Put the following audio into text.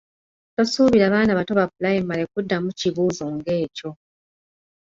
Tosuubira baana bato ba ppulayimale kuddamu kibuuzo ng’ekyo.